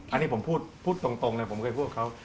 อันนี้ผมพูดตรงเลยผมเคยพูดเขา